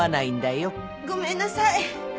ごめんなさい！